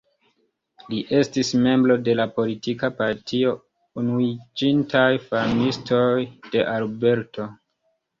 Li estis membro de la politika partio Unuiĝintaj Farmistoj de Alberto.